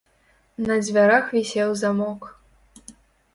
На дзвярах вісеў замок.